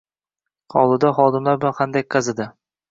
Hovlida xodimlar bilan xandaq qazidi.